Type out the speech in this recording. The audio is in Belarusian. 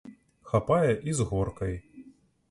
Хапае, і з горкай.